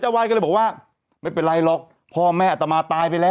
วาดก็เลยบอกว่าไม่เป็นไรหรอกพ่อแม่อัตมาตายไปแล้ว